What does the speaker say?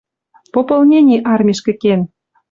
Пополнени армишкӹ кен.